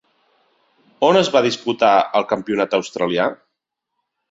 On es va disputar el Campionat Australià?